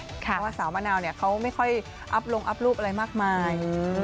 เพราะว่าสาวมะนาวเขาไม่ค่อยอัพลงอัพรูปอะไรมากมาย